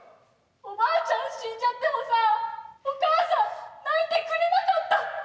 おばあちゃん死んじゃってもさお母さん泣いてくれなかった。